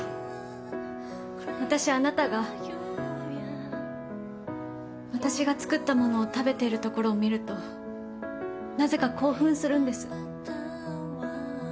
私、あなたが私が作ったものを食べてるところを見るとなぜか興奮するんです。